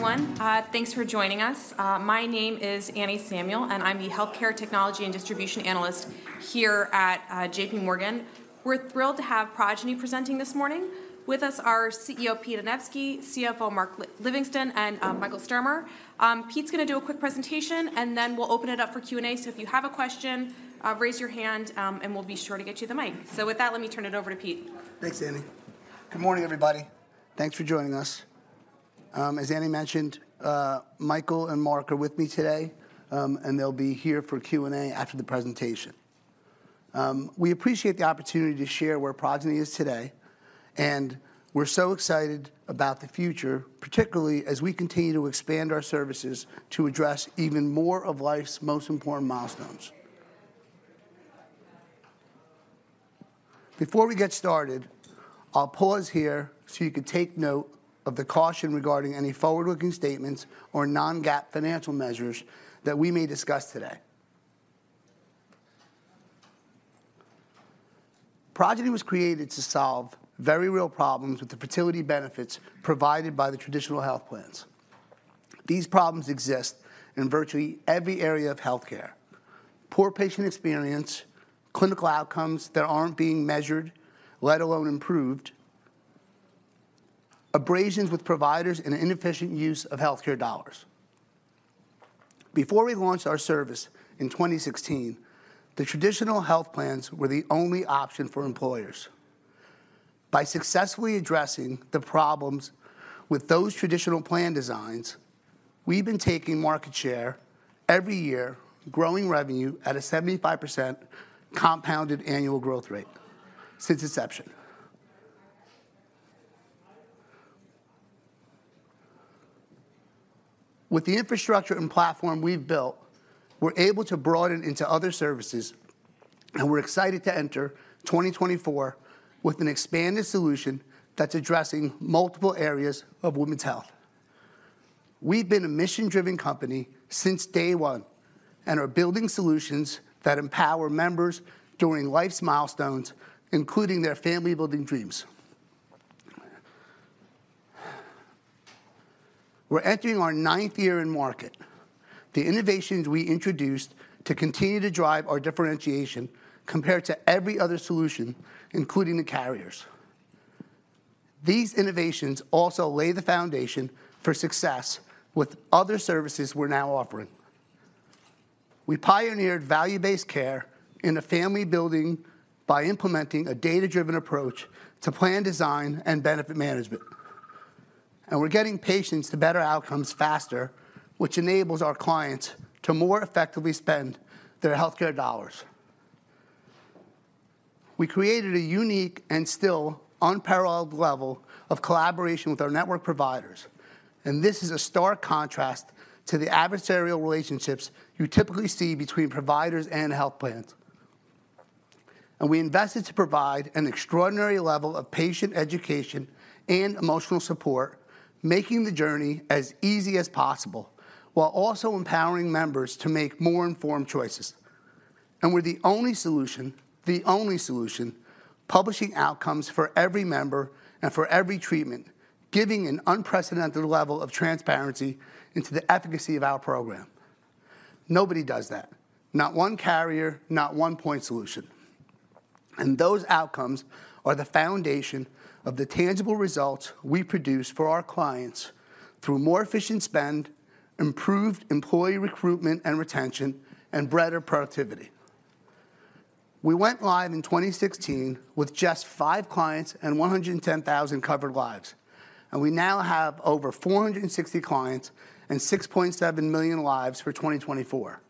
Good morning, everyone. Thanks for joining us. My name is Anne Samuel, and I'm the Healthcare Technology and Distribution Analyst here at J.P. Morgan. We're thrilled to have Progyny presenting this morning. With us are CEO Pete Anevski, CFO Mark Livingston, and Michael Sturmer. Pete's gonna do a quick presentation, and then we'll open it up for Q&A. So if you have a question, raise your hand, and we'll be sure to get you the mic. So with that, let me turn it over to Pete. Thanks, Annie. Good morning, everybody. Thanks for joining us. As Annie mentioned, Michael and Mark are with me today, and they'll be here for Q&A after the presentation. We appreciate the opportunity to share where Progyny is today, and we're so excited about the future, particularly as we continue to expand our services to address even more of life's most important milestones. Before we get started, I'll pause here so you can take note of the caution regarding any forward-looking statements or non-GAAP financial measures that we may discuss today. Progyny was created to solve very real problems with the fertility benefits provided by the traditional health plans. These problems exist in virtually every area of healthcare: poor patient experience, clinical outcomes that aren't being measured, let alone improved, frictions with providers, and inefficient use of healthcare dollars. Before we launched our service in 2016, the traditional health plans were the only option for employers. By successfully addressing the problems with those traditional plan designs, we've been taking market share every year, growing revenue at a 75% compounded annual growth rate since inception. With the infrastructure and platform we've built, we're able to broaden into other services, and we're excited to enter 2024 with an expanded solution that's addressing multiple areas of women's health. We've been a mission-driven company since day one and are building solutions that empower members during life's milestones, including their family building dreams. We're entering our ninth year in market. The innovations we introduced to continue to drive our differentiation compared to every other solution, including the carriers. These innovations also lay the foundation for success with other services we're now offering. We pioneered value-based care in the family building by implementing a data-driven approach to plan design and benefit management. We're getting patients to better outcomes faster, which enables our clients to more effectively spend their healthcare dollars. We created a unique and still unparalleled level of collaboration with our network providers, and this is a stark contrast to the adversarial relationships you typically see between providers and health plans. We invested to provide an extraordinary level of patient education and emotional support, making the journey as easy as possible, while also empowering members to make more informed choices. We're the only solution, the only solution, publishing outcomes for every member and for every treatment, giving an unprecedented level of transparency into the efficacy of our program. Nobody does that, not one carrier, not one point solution. Those outcomes are the foundation of the tangible results we produce for our clients through more efficient spend, improved employee recruitment and retention, and better productivity. We went live in 2016 with just five clients and 110,000 covered lives, and we now have over 460 clients and 6.7 million lives for 2024.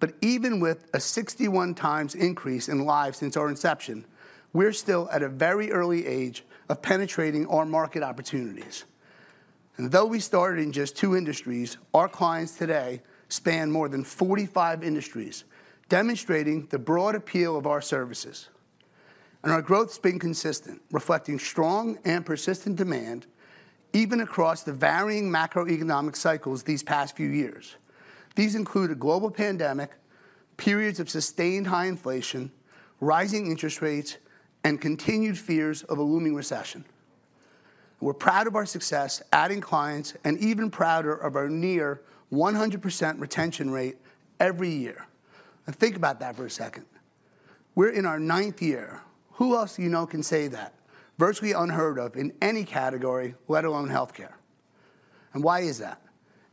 But even with a 61x increase in lives since our inception, we're still at a very early age of penetrating our market opportunities. Though we started in just 2 industries, our clients today span more than 45 industries, demonstrating the broad appeal of our services. Our growth's been consistent, reflecting strong and persistent demand, even across the varying macroeconomic cycles these past few years. These include a global pandemic, periods of sustained high inflation, rising interest rates, and continued fears of a looming recession. We're proud of our success adding clients, and even prouder of our near 100% retention rate every year. Think about that for a second. We're in our ninth year. Who else do you know can say that? Virtually unheard of in any category, let alone healthcare. Why is that?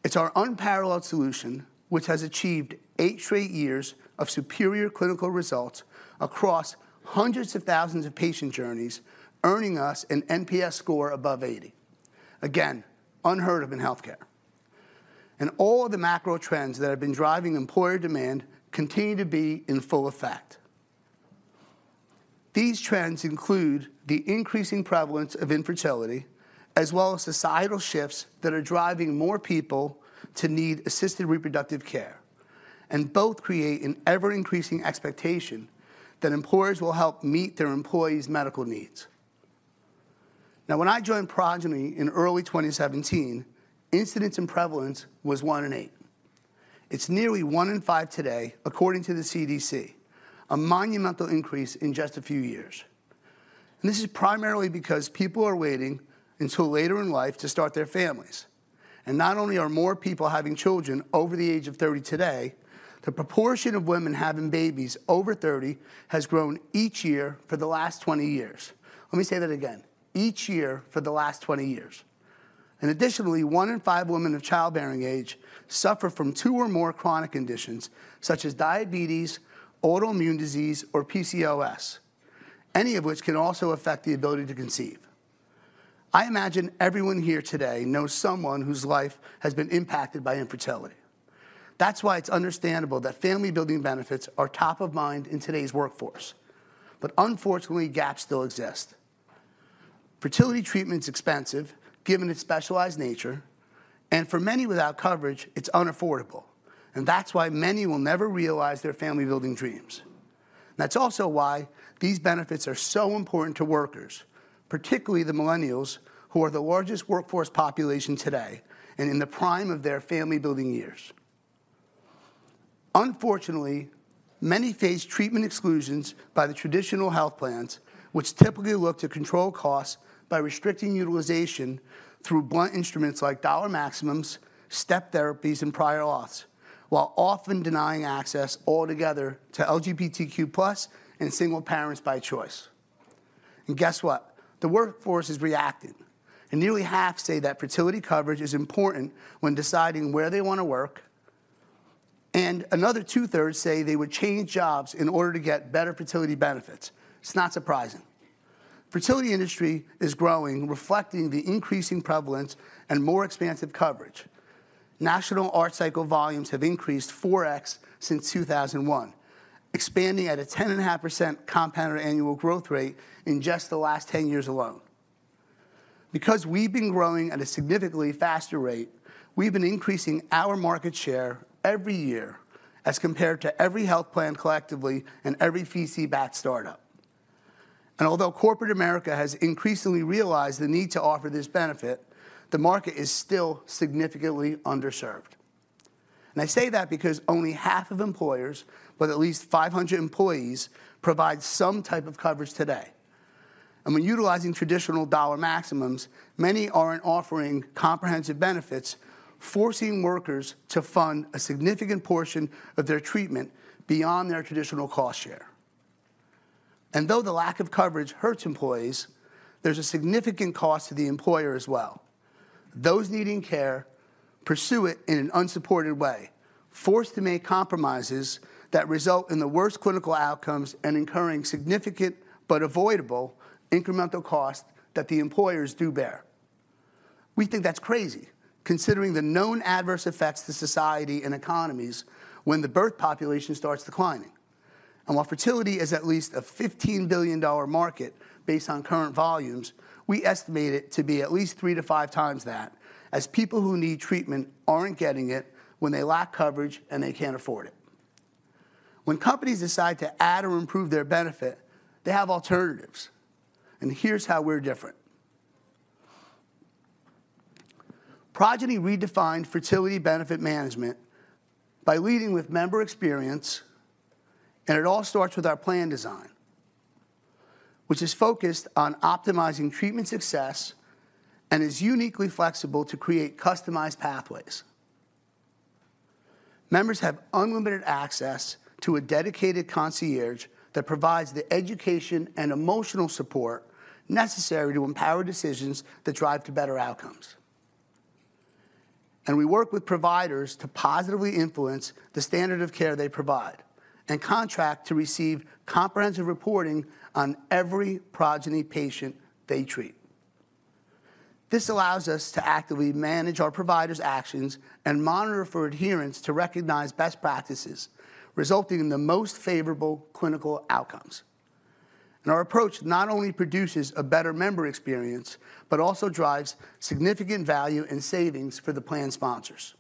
It's our unparalleled solution, which has achieved 8 straight years of superior clinical results across hundreds of thousands of patient journeys, earning us an NPS score above 80. Again, unheard of in healthcare. All of the macro trends that have been driving employer demand continue to be in full effect. These trends include the increasing prevalence of infertility, as well as societal shifts that are driving more people to need assisted reproductive care, and both create an ever-increasing expectation that employers will help meet their employees' medical needs. Now, when I joined Progyny in early 2017, incidence and prevalence was one in eight. It's nearly one in five today, according to the CDC, a monumental increase in just a few years. And this is primarily because people are waiting until later in life to start their families. And not only are more people having children over the age of 30 today, the proportion of women having babies over 30 has grown each year for the last 20 years. Let me say that again. Each year for the last 20 years. And additionally, 1 in 5 women of childbearing age suffer from 2 or more chronic conditions, such as diabetes, autoimmune disease, or PCOS, any of which can also affect the ability to conceive. I imagine everyone here today knows someone whose life has been impacted by infertility. That's why it's understandable that family-building benefits are top of mind in today's workforce. Unfortunately, gaps still exist. Fertility treatment is expensive, given its specialized nature, and for many without coverage, it's unaffordable. That's why many will never realize their family-building dreams. That's also why these benefits are so important to workers, particularly the millennials, who are the largest workforce population today and in the prime of their family-building years. Unfortunately, many face treatment exclusions by the traditional health plans, which typically look to control costs by restricting utilization through blunt instruments like dollar maximums, step therapies, and prior auths, while often denying access altogether to LGBTQ+ and single parents by choice. Guess what? The workforce has reacted, and nearly half say that fertility coverage is important when deciding where they want to work, and another two-thirds say they would change jobs in order to get better fertility benefits. It's not surprising. Fertility industry is growing, reflecting the increasing prevalence and more expansive coverage. National ART cycle volumes have increased 4x since 2001, expanding at a 10.5% compounded annual growth rate in just the last 10 years alone. Because we've been growing at a significantly faster rate, we've been increasing our market share every year as compared to every health plan collectively and every VC-backed startup. Although corporate America has increasingly realized the need to offer this benefit, the market is still significantly underserved. I say that because only half of employers, with at least 500 employees, provide some type of coverage today. When utilizing traditional dollar maximums, many aren't offering comprehensive benefits, forcing workers to fund a significant portion of their treatment beyond their traditional cost share. Though the lack of coverage hurts employees, there's a significant cost to the employer as well. Those needing care pursue it in an unsupported way, forced to make compromises that result in the worst clinical outcomes and incurring significant but avoidable incremental costs that the employers do bear. We think that's crazy, considering the known adverse effects to society and economies when the birth population starts declining. While fertility is at least a $15 billion market based on current volumes, we estimate it to be at least 3–5x that, as people who need treatment aren't getting it when they lack coverage and they can't afford it. When companies decide to add or improve their benefit, they have alternatives, and here's how we're different. Progyny redefined fertility benefit management by leading with member experience, and it all starts with our plan design, which is focused on optimizing treatment success and is uniquely flexible to create customized pathways. Members have unlimited access to a dedicated concierge that provides the education and emotional support necessary to empower decisions that drive to better outcomes. We work with providers to positively influence the standard of care they provide, and contract to receive comprehensive reporting on every Progyny patient they treat. This allows us to actively manage our providers' actions and monitor for adherence to recognize best practices, resulting in the most favorable clinical outcomes. Our approach not only produces a better member experience, but also drives significant value and savings for the plan sponsors.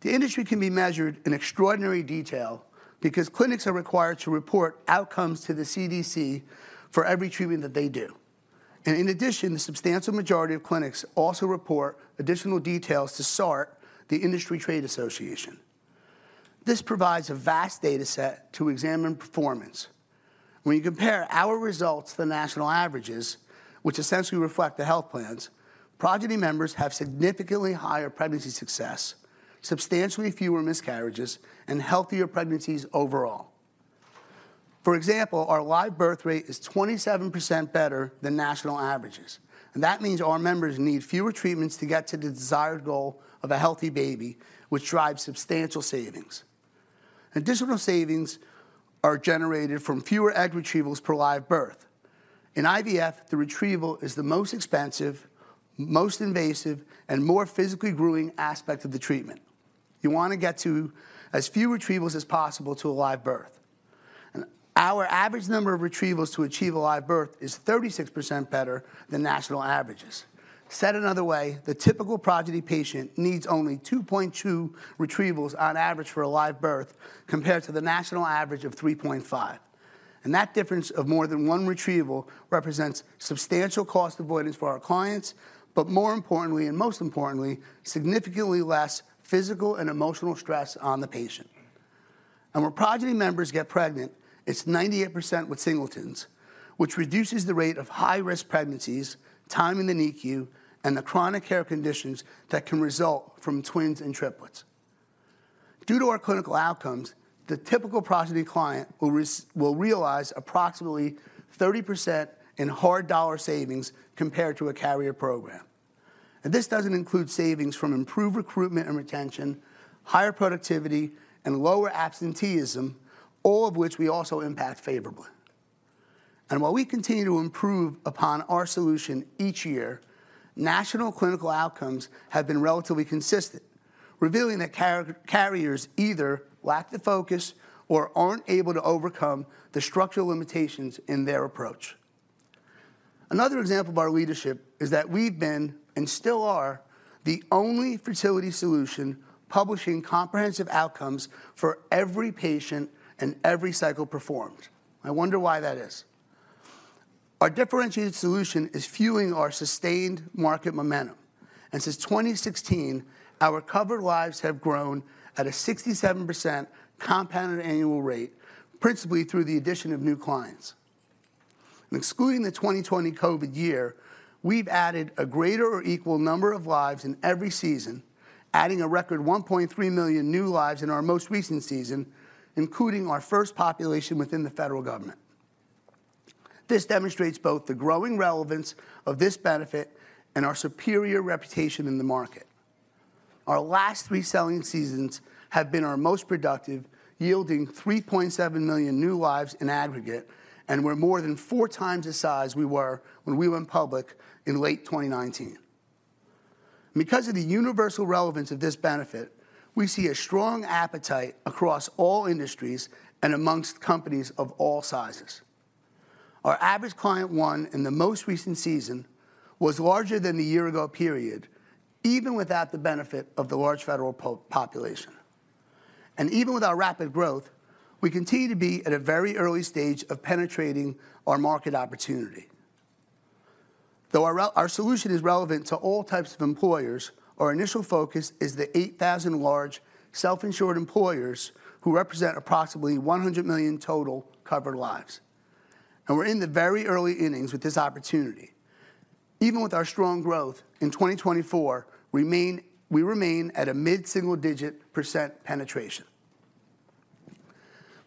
The industry can be measured in extraordinary detail because clinics are required to report outcomes to the CDC for every treatment that they do. In addition, the substantial majority of clinics also report additional details to SART, the industry trade association. This provides a vast dataset to examine performance. When you compare our results to the national averages, which essentially reflect the health plans, Progyny members have significantly higher pregnancy success, substantially fewer miscarriages, and healthier pregnancies overall. For example, our live birth rate is 27% better than national averages, and that means our members need fewer treatments to get to the desired goal of a healthy baby, which drives substantial savings. Additional savings are generated from fewer egg retrievals per live birth. In IVF, the retrieval is the most expensive, most invasive, and more physically grueling aspect of the treatment. You want to get to as few retrievals as possible to a live birth. And our average number of retrievals to achieve a live birth is 36% better than national averages. Said another way, the typical Progyny patient needs only 2.2 retrievals on average for a live birth, compared to the national average of 3.5.... And that difference of more than one retrieval represents substantial cost avoidance for our clients, but more importantly, and most importantly, significantly less physical and emotional stress on the patient. And when Progyny members get pregnant, it's 98% with singletons, which reduces the rate of high-risk pregnancies, time in the NICU, and the chronic care conditions that can result from twins and triplets. Due to our clinical outcomes, the typical Progyny client will realize approximately 30% in hard dollar savings compared to a carrier program. And this doesn't include savings from improved recruitment and retention, higher productivity, and lower absenteeism, all of which we also impact favorably. And while we continue to improve upon our solution each year, national clinical outcomes have been relatively consistent, revealing that carriers either lack the focus or aren't able to overcome the structural limitations in their approach. Another example of our leadership is that we've been, and still are, the only fertility solution publishing comprehensive outcomes for every patient and every cycle performed. I wonder why that is? Our differentiated solution is fueling our sustained market momentum, and since 2016, our covered lives have grown at a 67% compounded annual rate, principally through the addition of new clients. Excluding the 2020 COVID year, we've added a greater or equal number of lives in every season, adding a record 1.3 million new lives in our most recent season, including our first population within the federal government. This demonstrates both the growing relevance of this benefit and our superior reputation in the market. Our last three selling seasons have been our most productive, yielding 3.7 million new lives in aggregate, and we're more than four times the size we were when we went public in late 2019. Because of the universal relevance of this benefit, we see a strong appetite across all industries and amongst companies of all sizes. Our average client win in the most recent season was larger than the year ago period, even without the benefit of the large federal population. And even with our rapid growth, we continue to be at a very early stage of penetrating our market opportunity. Though our solution is relevant to all types of employers, our initial focus is the 8,000 large self-insured employers who represent approximately 100 million total covered lives. And we're in the very early innings with this opportunity. Even with our strong growth in 2024, we remain at a mid-single-digit % penetration.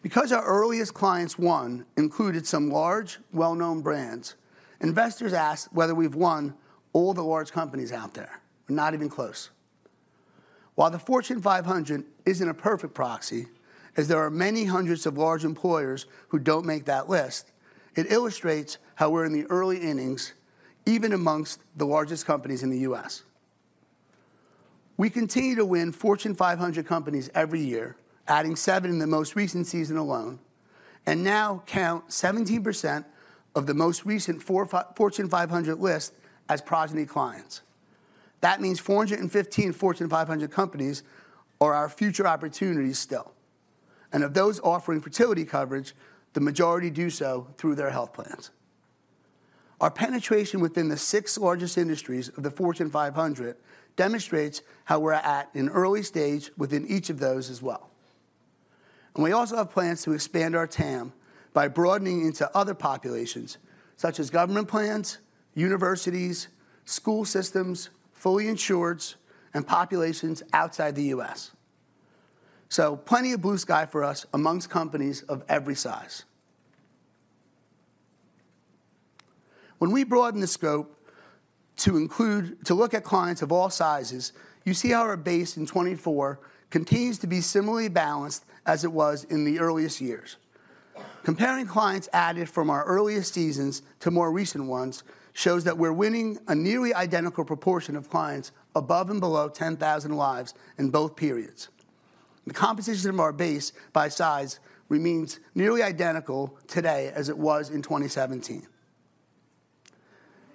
Because our earliest clients one included some large, well-known brands, investors ask whether we've won all the large companies out there. We're not even close. While the Fortune 500 isn't a perfect proxy, as there are many hundreds of large employers who don't make that list, it illustrates how we're in the early innings, even amongst the largest companies in the U.S. We continue to win Fortune 500 companies every year, adding 7 in the most recent season alone, and now count 17% of the most recent Fortune 500 list as Progyny clients. That means 415 Fortune 500 companies are our future opportunities still, and of those offering fertility coverage, the majority do so through their health plans. Our penetration within the 6 largest industries of the Fortune 500 demonstrates how we're at an early stage within each of those as well. We also have plans to expand our TAM by broadening into other populations, such as government plans, universities, school systems, fully insureds, and populations outside the U.S. Plenty of blue sky for us amongst companies of every size. When we broaden the scope to look at clients of all sizes, you see how our base in 2024 continues to be similarly balanced as it was in the earliest years. Comparing clients added from our earliest seasons to more recent ones shows that we're winning a nearly identical proportion of clients above and below 10,000 lives in both periods. The composition of our base by size remains nearly identical today as it was in 2017.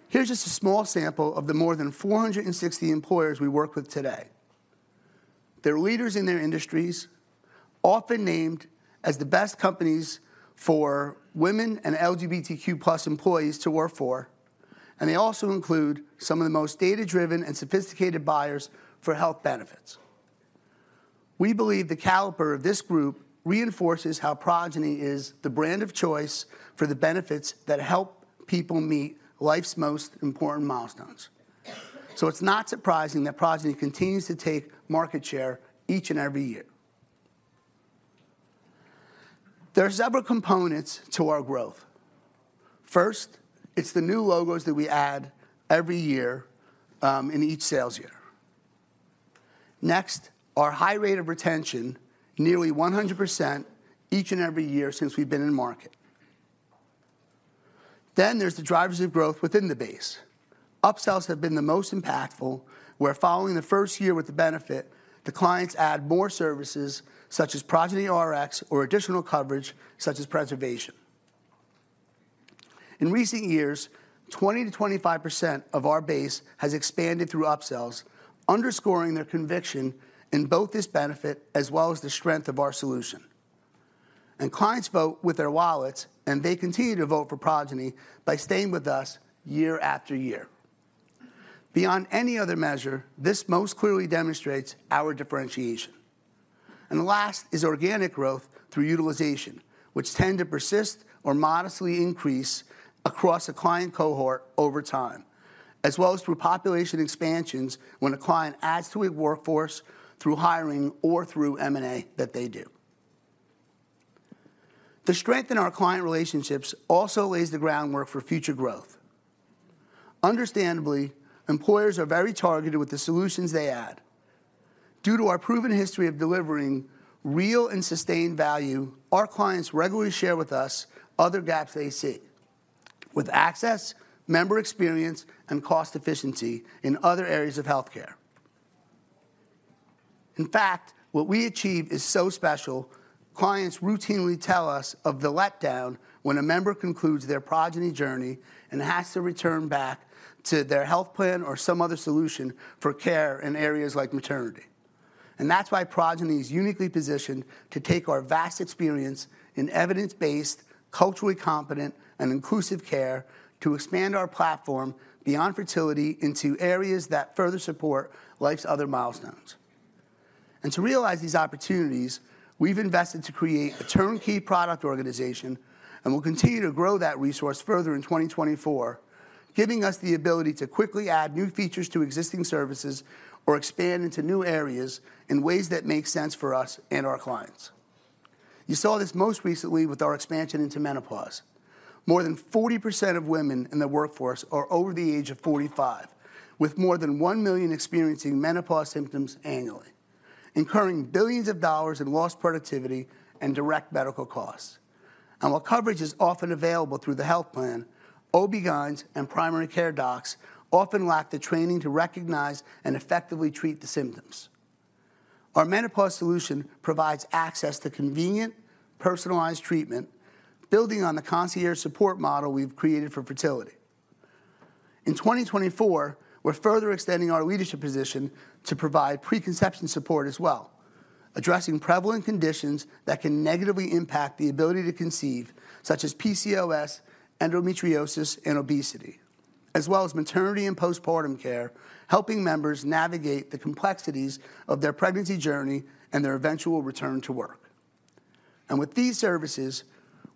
Here's just a small sample of the more than 460 employers we work with today. They're leaders in their industries, often named as the best companies for women and LGBTQ+ employees to work for, and they also include some of the most data-driven and sophisticated buyers for health benefits. We believe the caliber of this group reinforces how Progyny is the brand of choice for the benefits that help people meet life's most important milestones. It's not surprising that Progyny continues to take market share each and every year. There are several components to our growth. First, it's the new logos that we add every year, in each sales year. Next, our high rate of retention, nearly 100%, each and every year since we've been in the market. Then there's the drivers of growth within the base. Upsells have been the most impactful, where following the first year with the benefit, the clients add more services such as Progyny Rx or additional coverage, such as preservation. In recent years, 20%–25% of our base has expanded through upsells, underscoring their conviction in both this benefit as well as the strength of our solution. Clients vote with their wallets, and they continue to vote for Progyny by staying with us year after year. Beyond any other measure, this most clearly demonstrates our differentiation. The last is organic growth through utilization, which tend to persist or modestly increase across a client cohort over time, as well as through population expansions when a client adds to a workforce through hiring or through M&A that they do. The strength in our client relationships also lays the groundwork for future growth. Understandably, employers are very targeted with the solutions they add. Due to our proven history of delivering real and sustained value, our clients regularly share with us other gaps they see, with access, member experience, and cost efficiency in other areas of healthcare. In fact, what we achieve is so special, clients routinely tell us of the letdown when a member concludes their Progyny journey and has to return back to their health plan or some other solution for care in areas like maternity. That's why Progyny is uniquely positioned to take our vast experience in evidence-based, culturally competent, and inclusive care to expand our platform beyond fertility into areas that further support life's other milestones. To realize these opportunities, we've invested to create a turnkey product organization, and we'll continue to grow that resource further in 2024, giving us the ability to quickly add new features to existing services or expand into new areas in ways that make sense for us and our clients. You saw this most recently with our expansion into menopause. More than 40% of women in the workforce are over the age of 45, with more than 1 million experiencing menopause symptoms annually, incurring $ billions in lost productivity and direct medical costs. While coverage is often available through the health plan, OBGYNs and primary care docs often lack the training to recognize and effectively treat the symptoms. Our menopause solution provides access to convenient, personalized treatment, building on the concierge support model we've created for fertility. In 2024, we're further extending our leadership position to provide preconception support as well, addressing prevalent conditions that can negatively impact the ability to conceive, such as PCOS, endometriosis, and obesity, as well as maternity and postpartum care, helping members navigate the complexities of their pregnancy journey and their eventual return to work. With these services,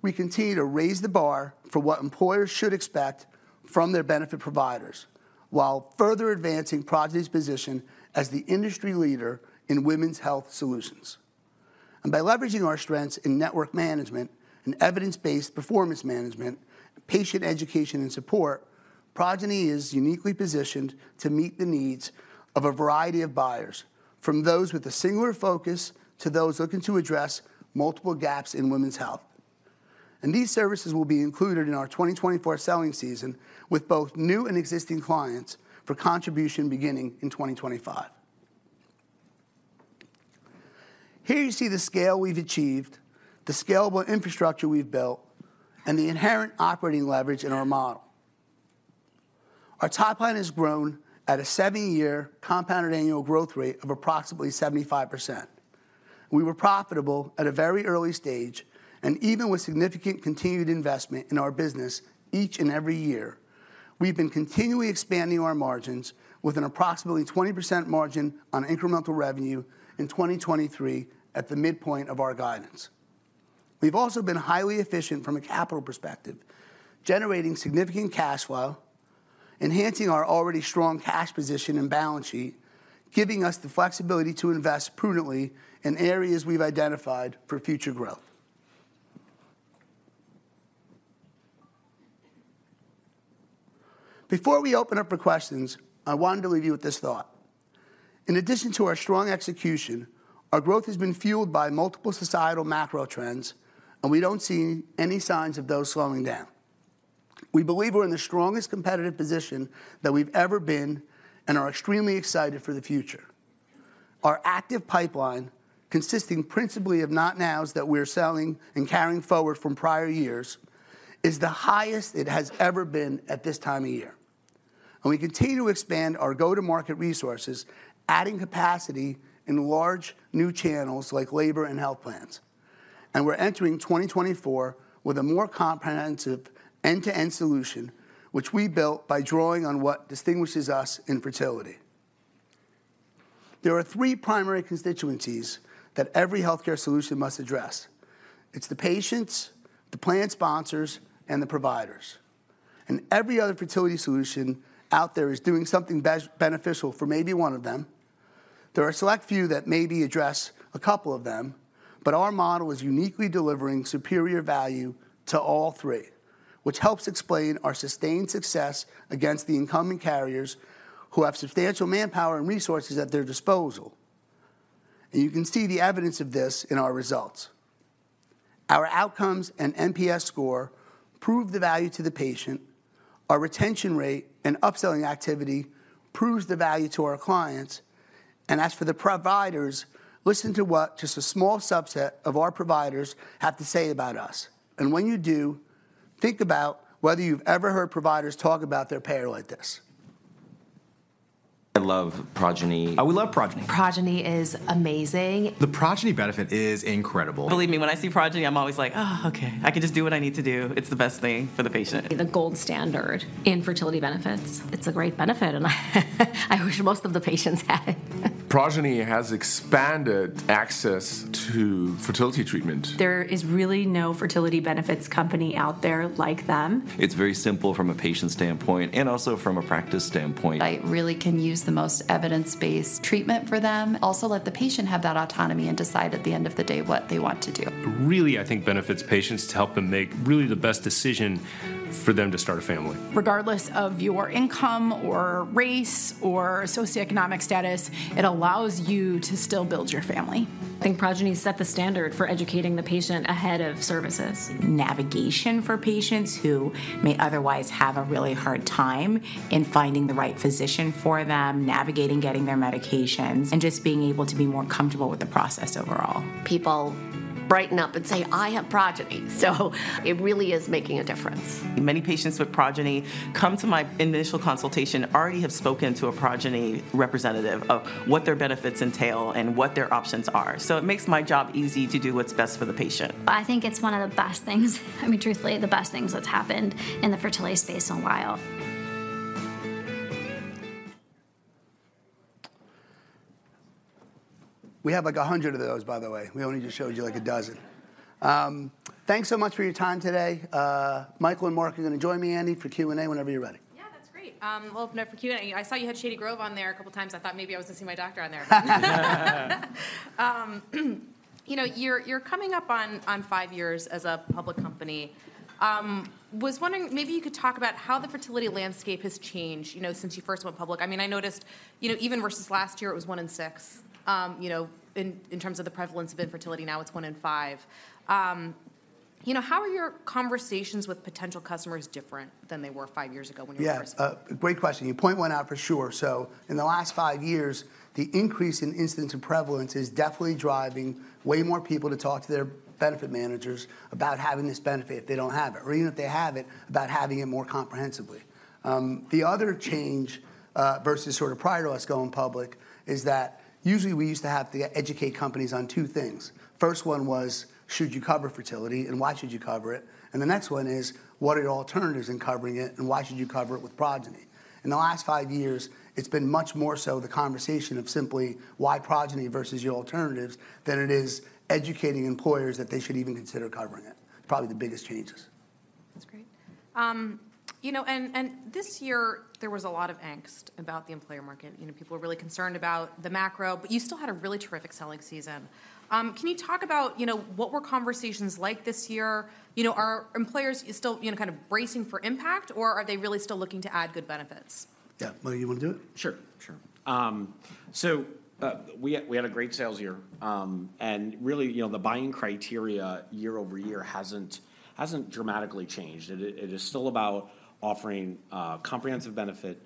we continue to raise the bar for what employers should expect from their benefit providers, while further advancing Progyny's position as the industry leader in women's health solutions. By leveraging our strengths in network management and evidence-based performance management, patient education, and support, Progyny is uniquely positioned to meet the needs of a variety of buyers, from those with a singular focus to those looking to address multiple gaps in women's health. These services will be included in our 2024 selling season with both new and existing clients for contribution beginning in 2025. Here you see the scale we've achieved, the scalable infrastructure we've built, and the inherent operating leverage in our model. Our top line has grown at a seven-year compounded annual growth rate of approximately 75%. We were profitable at a very early stage, and even with significant continued investment in our business each and every year, we've been continually expanding our margins with an approximately 20% margin on incremental revenue in 2023 at the midpoint of our guidance. We've also been highly efficient from a capital perspective, generating significant cash flow, enhancing our already strong cash position and balance sheet, giving us the flexibility to invest prudently in areas we've identified for future growth. Before we open up for questions, I wanted to leave you with this thought: In addition to our strong execution, our growth has been fueled by multiple societal macro trends, and we don't see any signs of those slowing down. We believe we're in the strongest competitive position that we've ever been, and are extremely excited for the future. Our active pipeline, consisting principally of not nows that we are selling and carrying forward from prior years, is the highest it has ever been at this time of year. We continue to expand our go-to-market resources, adding capacity in large new channels like labor and health plans. We're entering 2024 with a more comprehensive end-to-end solution, which we built by drawing on what distinguishes us in fertility. There are three primary constituencies that every healthcare solution must address. It's the patients, the plan sponsors, and the providers. Every other fertility solution out there is doing something beneficial for maybe one of them. There are a select few that maybe address a couple of them, but our model is uniquely delivering superior value to all three, which helps explain our sustained success against the incumbent carriers who have substantial manpower and resources at their disposal. You can see the evidence of this in our results. Our outcomes and NPS score prove the value to the patient, our retention rate and upselling activity proves the value to our clients... As for the providers, listen to what just a small subset of our providers have to say about us. When you do, think about whether you've ever heard providers talk about their payer like this. I love Progyny. We love Progyny. Progyny is amazing. The Progyny benefit is incredible. Believe me, when I see Progyny, I'm always like, "Oh, okay, I can just do what I need to do." It's the best thing for the patient. The gold standard in fertility benefits. It's a great benefit, and I wish most of the patients had it. Progyny has expanded access to fertility treatment. There is really no fertility benefits company out there like them. It's very simple from a patient standpoint, and also from a practice standpoint. I really can use the most evidence-based treatment for them. Also, let the patient have that autonomy and decide at the end of the day what they want to do. Really, I think, benefits patients to help them make really the best decision for them to start a family. Regardless of your income or race or socioeconomic status, it allows you to still build your family. I think Progyny set the standard for educating the patient ahead of services. Navigation for patients who may otherwise have a really hard time in finding the right physician for them, navigating getting their medications, and just being able to be more comfortable with the process overall. People brighten up and say, "I have Progyny!" So it really is making a difference. Many patients with Progyny come to my initial consultation, already have spoken to a Progyny representative of what their benefits entail and what their options are. So it makes my job easy to do what's best for the patient. I think it's one of the best things, I mean, truthfully, the best things that's happened in the fertility space in a while. We have, like, 100 of those, by the way= We only just showed you, like, 12. Thanks so much for your time today. Michael and Mark are going to join me, Annie, for Q&A, whenever you're ready. Yeah, that's great. We'll open it up for Q&A. I saw you had Shady Grove on there a couple of times. I thought maybe I was going to see my doctor on there. You know, you're coming up on five years as a public company. Was wondering if maybe you could talk about how the fertility landscape has changed, you know, since you first went public. I mean, I noticed, you know, even versus last year, it was 1 in 6, you know, in terms of the prevalence of infertility. Now, it's one in five. You know, how are your conversations with potential customers different than they were five years ago when you first- Yeah. Great question. You point one out for sure. So in the last five years, the increase in incidence and prevalence is definitely driving way more people to talk to their benefit managers about having this benefit if they don't have it, or even if they have it, about having it more comprehensively. The other change, versus sort of prior to us going public, is that usually we used to have to educate companies on two things. First one was, should you cover fertility, and why should you cover it? And the next one is, what are your alternatives in covering it, and why should you cover it with Progyny? In the last five years, it's been much more so the conversation of simply why Progyny versus your alternatives than it is educating employers that they should even consider covering it. Probably the biggest changes. That's great. You know, and this year there was a lot of angst about the employer market. You know, people were really concerned about the macro, but you still had a really terrific selling season. Can you talk about, you know, what were conversations like this year? You know, are employers still, you know, kind of bracing for impact, or are they really still looking to add good benefits? Yeah. Mike, you want to do it? Sure. Sure. So, we had a great sales year. And really, you know, the buying criteria year-over-year hasn't dramatically changed. It is still about offering a comprehensive benefit,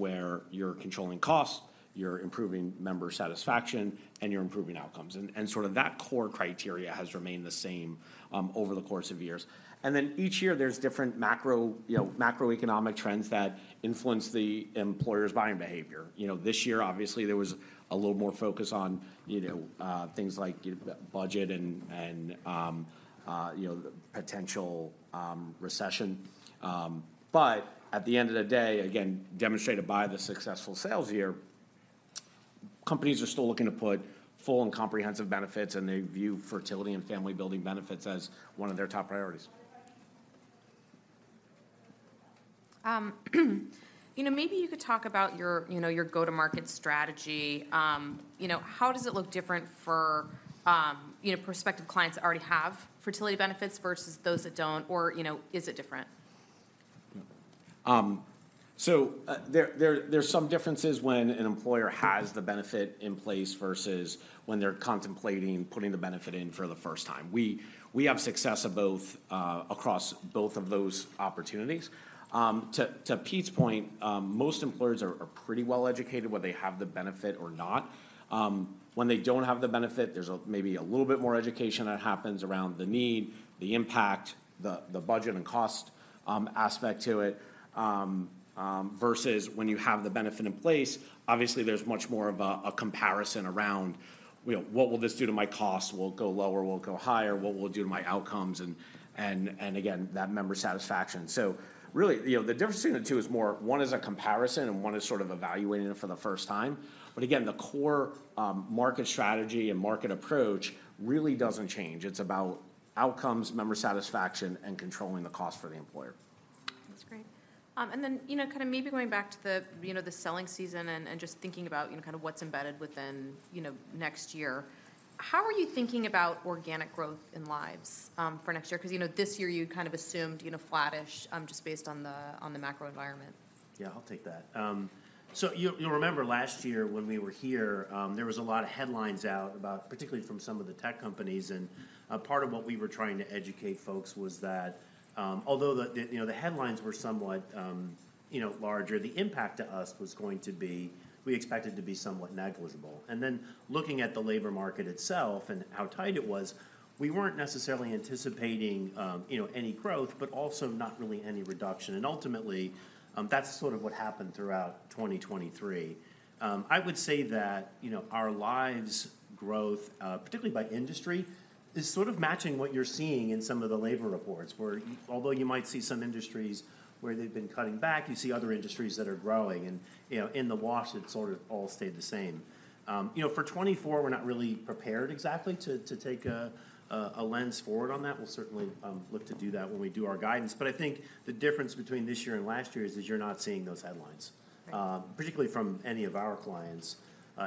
where you're controlling costs, you're improving member satisfaction, and you're improving outcomes. And sort of that core criteria has remained the same, over the course of years. And then each year, there's different macro, you know, macroeconomic trends that influence the employer's buying behavior. You know, this year, obviously, there was a little more focus on, you know, things like your budget and, you know, potential recession. But at the end of the day, again, demonstrated by the successful sales year, companies are still looking to put full and comprehensive benefits, and they view fertility and family-building benefits as one of their top priorities. You know, maybe you could talk about your, you know, your go-to-market strategy. You know, how does it look different for, you know, prospective clients that already have fertility benefits versus those that don't, or, you know, is it different? So, there, there's some differences when an employer has the benefit in place versus when they're contemplating putting the benefit in for the first time. We have success of both across both of those opportunities. To Pete's point, most employers are pretty well educated whether they have the benefit or not. When they don't have the benefit, there's maybe a little bit more education that happens around the need, the impact, the budget and cost aspect to it. Versus when you have the benefit in place, obviously, there's much more of a comparison around, you know: What will this do to my cost? Will it go lower? Will it go higher? What will it do to my outcomes? And again, that member satisfaction. Really, you know, the difference between the two is more one is a comparison and one is sort of evaluating it for the first time. But again, the core market strategy and market approach really doesn't change. It's about outcomes, member satisfaction, and controlling the cost for the employer. That's great. And then, you know, kind of maybe going back to the, you know, the selling season and just thinking about, you know, kind of what's embedded within, you know, next year. How are you thinking about organic growth in lives for next year? Because, you know, this year you kind of assumed, you know, flattish just based on the macro environment. Yeah, I'll take that. So you'll remember last year when we were here, there was a lot of headlines out about, particularly from some of the tech companies, and part of what we were trying to educate folks was that, although the you know, the headlines were somewhat,... you know, larger, the impact to us was going to be, we expected to be somewhat negligible. And then looking at the labor market itself and how tight it was, we weren't necessarily anticipating, you know, any growth, but also not really any reduction. And ultimately, that's sort of what happened throughout 2023. I would say that, you know, our lives growth, particularly by industry, is sort of matching what you're seeing in some of the labor reports, where although you might see some industries where they've been cutting back, you see other industries that are growing and, you know, in the wash, it sort of all stayed the same. You know, for 2024, we're not really prepared exactly to take a lens forward on that. We'll certainly look to do that when we do our guidance. But I think the difference between this year and last year is you're not seeing those headlines- Right... particularly from any of our clients.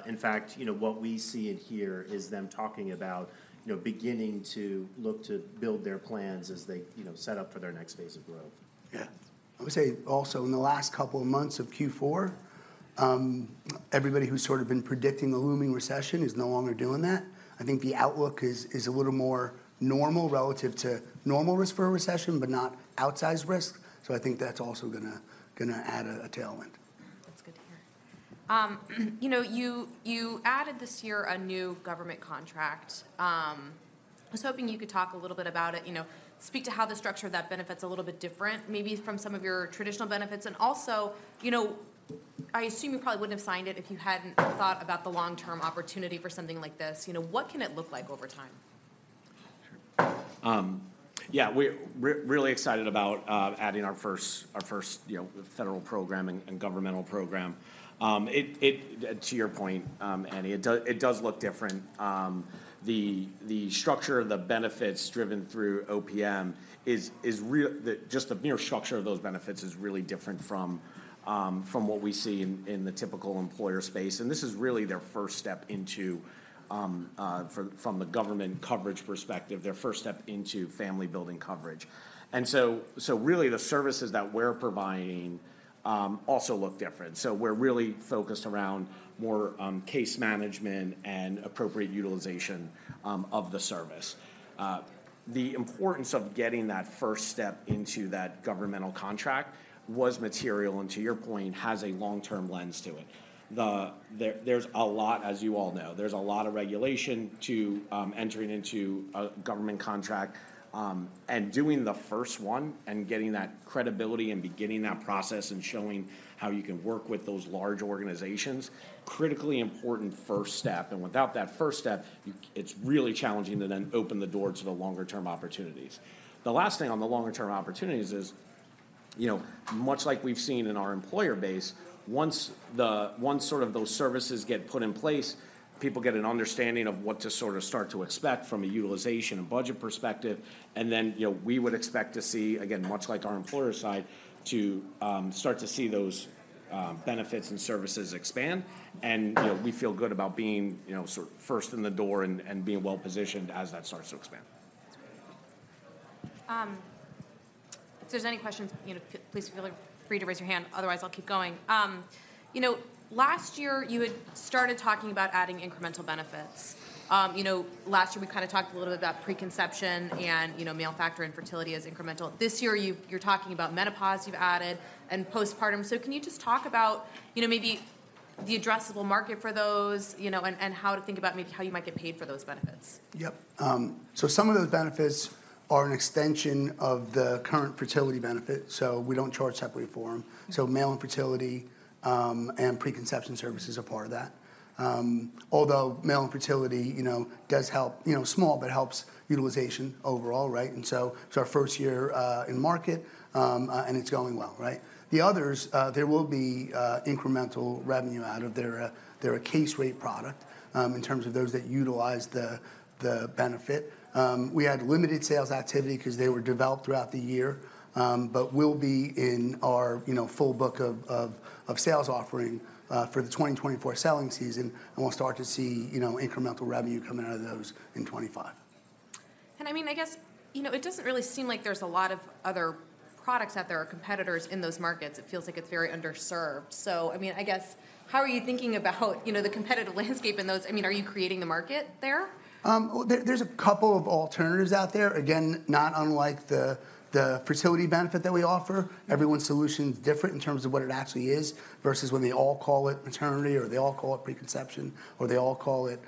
In fact, you know, what we see in here is them talking about, you know, beginning to look to build their plans as they, you know, set up for their next phase of growth. Yeah. I would say also, in the last couple of months of Q4, everybody who's sort of been predicting a looming recession is no longer doing that. I think the outlook is a little more normal relative to normal risk for a recession, but not outsized risk, so I think that's also gonna add a tailwind. That's good to hear. You know, you added this year a new government contract. I was hoping you could talk a little bit about it. You know, speak to how the structure of that benefit's a little bit different, maybe from some of your traditional benefits. Also, you know, I assume you probably wouldn't have signed it if you hadn't thought about the long-term opportunity for something like this. You know, what can it look like over time? Yeah, we're really excited about adding our first, you know, federal program and governmental program. To your point, Annie, it does look different. The structure of the benefits driven through OPM is really different from what we see in the typical employer space, and this is really their first step into, from a government coverage perspective, their first step into family building coverage. So really, the services that we're providing also look different. So we're really focused around more case management and appropriate utilization of the service. The importance of getting that first step into that governmental contract was material, and to your point, has a long-term lens to it. The... There's a lot, as you all know, there's a lot of regulation to entering into a government contract, and doing the first one and getting that credibility and beginning that process and showing how you can work with those large organizations, critically important first step, and without that first step, it's really challenging to then open the door to the longer term opportunities. The last thing on the longer term opportunities is, you know, much like we've seen in our employer base, once sort of those services get put in place, people get an understanding of what to sort of start to expect from a utilization and budget perspective, and then, you know, we would expect to see, again, much like our employer side, to start to see those benefits and services expand. You know, we feel good about being, you know, sort of first in the door and being well-positioned as that starts to expand. That's great. If there's any questions, you know, please feel free to raise your hand. Otherwise, I'll keep going. You know, last year you had started talking about adding incremental benefits. You know, last year we kind of talked a little bit about preconception and, you know, male factor infertility as incremental. This year, you're talking about menopause you've added and postpartum. So can you just talk about, you know, maybe the addressable market for those, you know, and, and how to think about maybe how you might get paid for those benefits? Yep. So some of the benefits are an extension of the current fertility benefit, so we don't charge separately for them. Mm-hmm. So male infertility and preconception services are part of that. Although male infertility, you know, does help, you know, small, but helps utilization overall, right? And so it's our first year in market and it's going well, right? The others, there will be incremental revenue out of there. They're a case rate product in terms of those that utilize the benefit. We had limited sales activity because they were developed throughout the year, but we'll be in our, you know, full book of sales offering for the 2024 selling season, and we'll start to see, you know, incremental revenue coming out of those in 2025. I mean, I guess, you know, it doesn't really seem like there's a lot of other products out there or competitors in those markets. It feels like it's very underserved. I mean, I guess, how are you thinking about you know, the competitive landscape in those? I mean, are you creating the market there? Well, there's a couple of alternatives out there. Again, not unlike the fertility benefit that we offer, everyone's solution is different in terms of what it actually is, versus when they all call it maternity, or they all call it preconception, or they all call it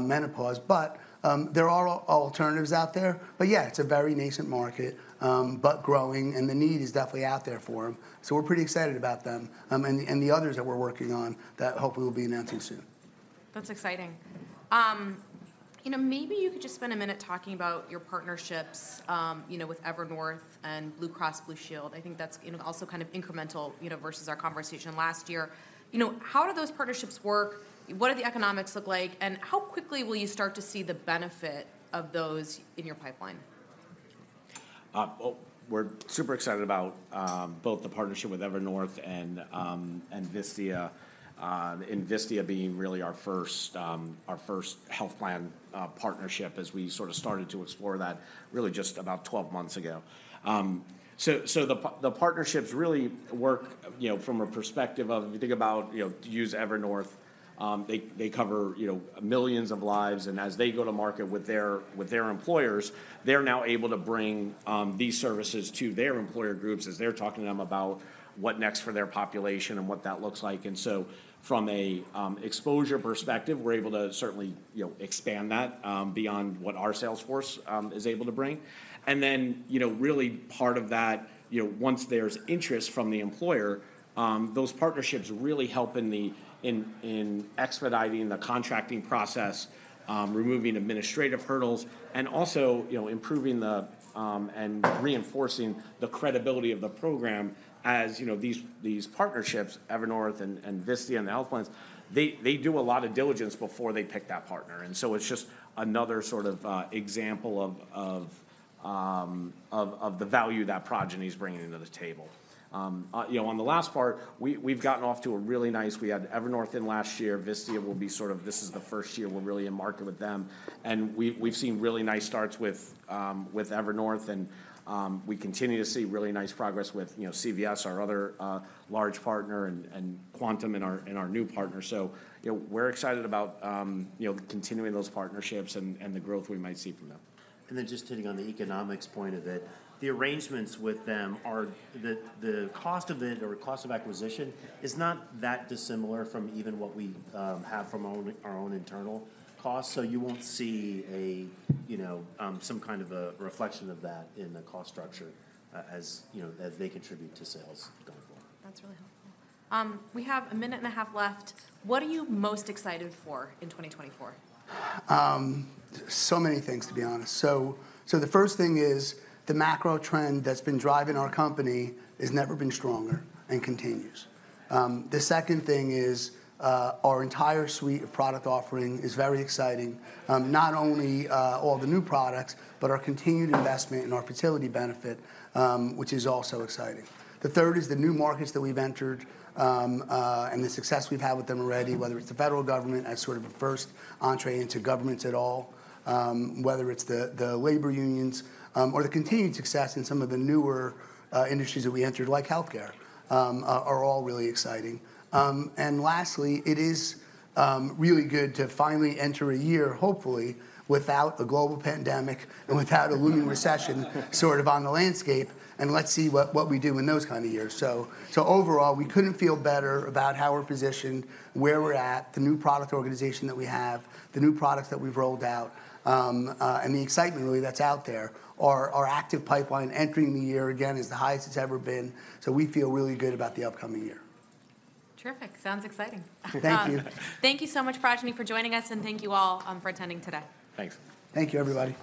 menopause. But there are alternatives out there. But yeah, it's a very nascent market, but growing, and the need is definitely out there for them. So we're pretty excited about them, and the others that we're working on that hopefully we'll be announcing soon. That's exciting. You know, maybe you could just spend a minute talking about your partnerships, you know, with Evernorth and Blue Cross Blue Shield. I think that's, you know, also kind of incremental, you know, versus our conversation last year. You know, how do those partnerships work? What do the economics look like, and how quickly will you start to see the benefit of those in your pipeline?... Well, we're super excited about both the partnership with Evernorth Vastia and, and Vistia being really our first health plan partnership as we sort of started to explore that really just about 12 months ago. So the partnerships really work, you know, from a perspective of, if you think about, you know, to use Evernorth, they cover, you know, millions of lives, and as they go to market with their employers, they're now able to bring these services to their employer groups as they're talking to them about what next for their population and what that looks like. And so from a exposure perspective, we're able to certainly, you know, expand that beyond what our sales force is able to bring. And then, you know, really part of that, you know, once there's interest from the employer, those partnerships really help in expediting the contracting process, removing administrative hurdles, and also, you know, improving and reinforcing the credibility of the program. As you know, these partnerships, Evernorth and Vistia, and the health plans, they do a lot of diligence before they pick that partner, and so it's just another sort of example of the value that Progyny is bringing to the table. You know, on the last part, we've gotten off to a really nice... We had Evernorth in last year. Vistia will be sort of this is the first year we're really in market with them, and we've seen really nice starts with Evernorth, and we continue to see really nice progress with, you know, CVS, our other large partner, and Quantum, and our new partner. So, you know, we're excited about you know continuing those partnerships and the growth we might see from them. And then, just hitting on the economics point of it, the arrangements with them are... The cost of it or cost of acquisition is not that dissimilar from even what we have from our own internal costs. So you won't see, you know, some kind of a reflection of that in the cost structure as, you know, as they contribute to sales going forward. That's really helpful. We have a minute and a half left. What are you most excited for in 2024? So many things, to be honest. So, the first thing is the macro trend that's been driving our company has never been stronger and continues. The second thing is, our entire suite of product offering is very exciting. Not only, all the new products, but our continued investment in our fertility benefit, which is also exciting. The third is the new markets that we've entered, and the success we've had with them already, whether it's the federal government as sort of a first entrée into governments at all, whether it's the labor unions, or the continued success in some of the newer, industries that we entered, like healthcare, are all really exciting. And lastly, it is really good to finally enter a year, hopefully, without a global pandemic and without a looming recession sort of on the landscape, and let's see what we do in those kind of years. So overall, we couldn't feel better about how we're positioned, where we're at, the new product organization that we have, the new products that we've rolled out, and the excitement really that's out there. Our active pipeline entering the year, again, is the highest it's ever been, so we feel really good about the upcoming year. Terrific. Sounds exciting. Thank you. Thank you so much, Progyny, for joining us, and thank you all for attending today. Thanks. Thank you, everybody.